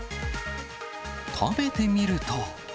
食べてみると。